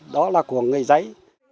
đó là của người giấy